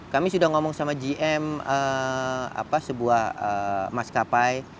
kami sudah berbicara dengan gm mas kapai